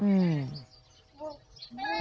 อืม